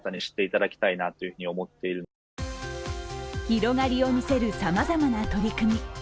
広がりを見せるさまざまな取り組み。